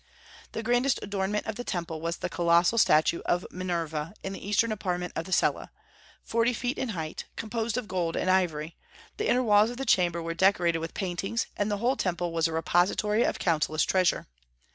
The grandest adornment of the temple was the colossal statue of Minerva in the eastern apartment of the cella, forty feet in height, composed of gold and ivory; the inner walls of the chamber were decorated with paintings, and the whole temple was a repository of countless treasure.